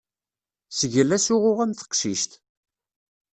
Sgel asuɣu am teqcict.